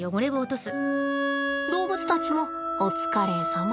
動物たちもお疲れさま。